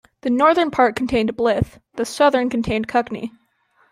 The northern part contained Blyth; the southern contained Cuckney.